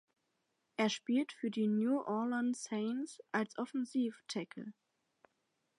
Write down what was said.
Er spielt für die New Orleans Saints als Offensive Tackle.